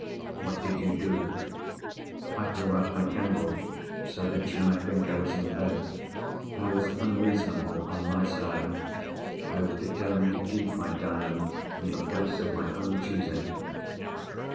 "What did you do?" "I blew out my candle, so that she might think I was in bed. I was unreasonable, on my side—I was determined to keep my Diamond in the place of my own choosing."